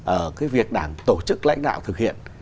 ở cái việc đảng tổ chức lãnh đạo thực hiện